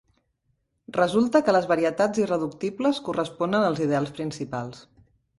Resulta que les varietats irreductibles corresponen als ideals principals.